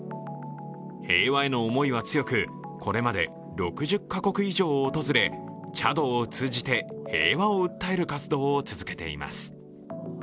平和への思いは強く、これまで６０か国以上を訪れ、茶道を通じて平和を訴える活動を続けています。